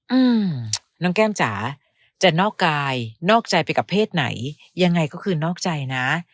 อืมน้องแก้มจ๋าจะนอกกายนอกใจไปกับเพศไหนยังไงก็คือนอกใจนะ